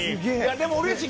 でも、うれしい。